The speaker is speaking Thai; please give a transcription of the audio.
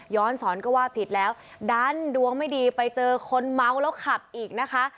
สอนก็ว่าผิดแล้วดันดวงไม่ดีไปเจอคนเมาแล้วขับอีกนะคะ